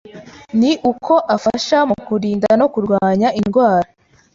ni uko afasha mu kurinda no kurwanya indwara